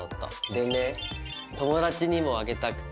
でね友達にもあげたくて。